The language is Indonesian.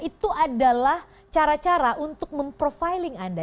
itu adalah cara cara untuk memprofiling anda